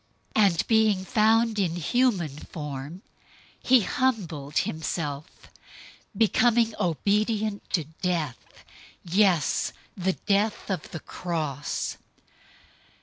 002:008 And being found in human form, he humbled himself, becoming obedient to death, yes, the death of the cross.